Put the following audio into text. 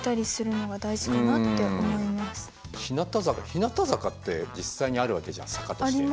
日向坂って実際にあるわけじゃん坂として。